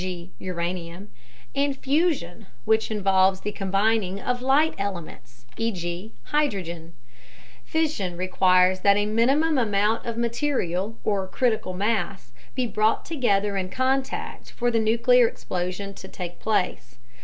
g. uranium); and fusion, which involves the combining of light elements (e.g. hydrogen). Fission requires that a minimum amount of material or "critical mass" be brought together in contact for the nuclear explosion to take place.